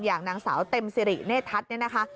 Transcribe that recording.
อย่างนางสาวเต็มสิริเนธทัศน์เนี่ยนะคะ